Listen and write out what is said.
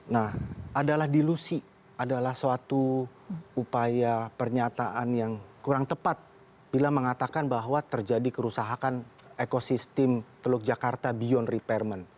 nah adalah dilusi adalah suatu upaya pernyataan yang kurang tepat bila mengatakan bahwa terjadi kerusakan ekosistem teluk jakarta beyond repairment